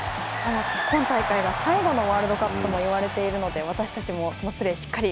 今大会が最後のワールドカップともいわれているので私たちもそのプレーしっかり。